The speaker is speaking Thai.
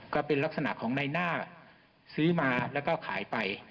ก็เป็นลักษณะของในหน้าซื้อมาแล้วก็ขายไป